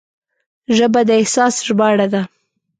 ژبه د احساس ژباړه ده